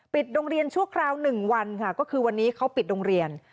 โรงเรียนชั่วคราว๑วันค่ะก็คือวันนี้เขาปิดโรงเรียน